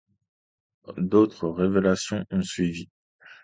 D'autres révélations ont suivi.